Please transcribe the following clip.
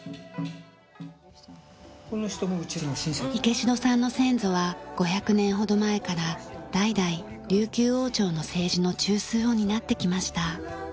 池城さんの先祖は５００年ほど前から代々琉球王朝の政治の中枢を担ってきました。